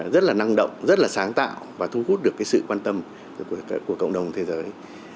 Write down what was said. rất là năng động rất là sáng tạo và thu hút được cái sự quan tâm của cộng đồng thế giới